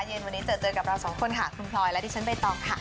เย็นวันนี้เจอเจอกับเราสองคนค่ะคุณพลอยและดิฉันใบตองค่ะ